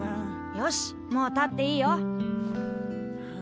よしもう立っていいよ。え？